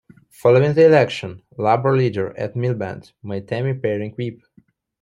Following the election, Labour leader Ed Miliband made Tami Pairing Whip.